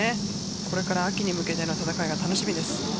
これから秋に向けての戦いが楽しみです。